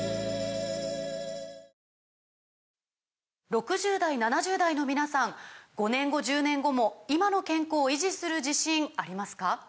６０代７０代の皆さん５年後１０年後も今の健康維持する自信ありますか？